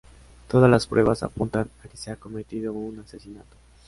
Todas las pruebas apuntan a que se ha cometido un asesinato.